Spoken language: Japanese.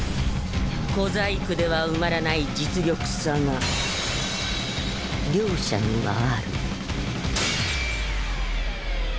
小細工では埋まらない実力差が両者にはあるバキン！